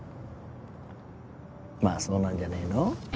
まあそうなんじゃねえの。